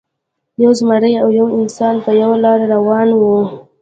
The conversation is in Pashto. یو زمری او یو انسان په یوه لاره روان وو.